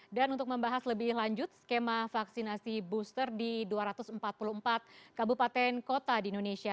dan untuk membahas lebih lanjut skema vaksinasi booster di dua ratus empat puluh empat kabupaten kota di indonesia